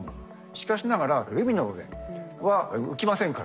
しかしながら海の上は浮きませんからね。